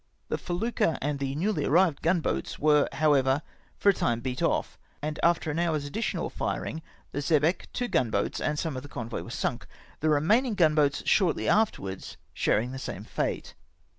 The felucca and the newlv arrived tjun boats were, ENEMY S VESSELS DESTROYED. 123 however, for a time beat off, and after an hour's addi tional firing, the xebec, two gun boats, and some of the convoy were sunk ; the remaining gun boats shortly afterwards sharing the same fate.